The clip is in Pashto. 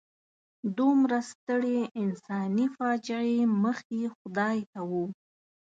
دومره سترې انساني فاجعې مخ یې خدای ته و.